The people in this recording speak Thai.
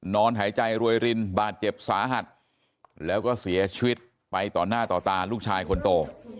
นอนหายใจรวยรินบาดเจ็บสาหัสแล้วก็เสียชีวิตไปต่อหน้าต่อตาลูกชายคนโต